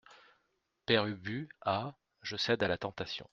Père Ubu Ah ! je cède à la tentation.